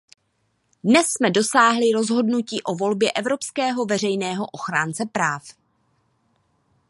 Dnes jsme dosáhli rozhodnutí o volbě evropského veřejného ochránce práv.